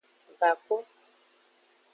Va kpo.